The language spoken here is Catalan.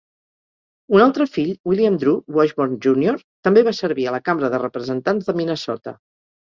Un altre fill, William Drew Washburn Junior, també va servir a la Cambra de Representants de Minnesota.